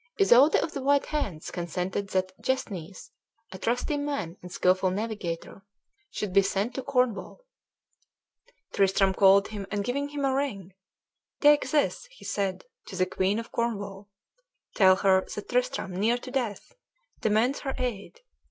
Isoude of the White Hands consented that Gesnes, a trusty man and skilful navigator, should be sent to Cornwall. Tristram called him, and, giving him a ring, "Take this," he said, "to the Queen of Cornwall. Tell her that Tristram, near to death, demands her aid.